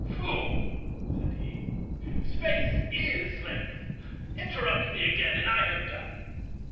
"Fool," said he, "Space is Length. Interrupt me again, and I have done."